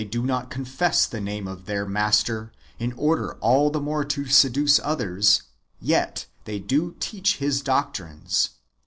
do not confess the name of tlieir master, in order all the more to seduce others, yet they do teach his doctrines.